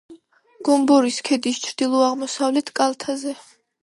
გომბორის ქედის ჩრდილო-აღმოსავლეთ კალთაზე.